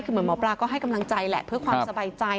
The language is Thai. คือเหมือนหมอปลาก็ให้กำลังใจแหละเพื่อความสบายใจ